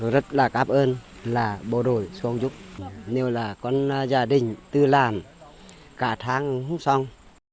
rất là cảm ơn là bộ đội xuống giúp nếu là con gia đình tư làm cả tháng không xong